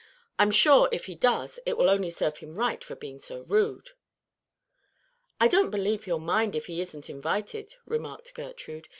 I'm sure, if he does, it will only serve him right for being so rude." "I don't believe he'll mind it if he isn't invited," remarked Gertrude.